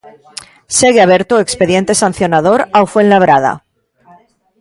Segue aberto o expediente sancionador ao Fuenlabrada.